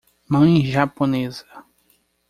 Mãe japonesa